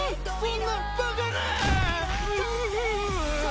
ん？